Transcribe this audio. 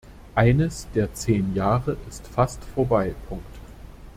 Eines der zehn Jahre ist fast vorbei.